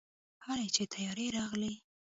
هلئ چې طيارې راغلې.